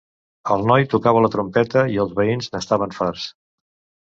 El noi tocava la trompeta i els veïns n'estaven farts.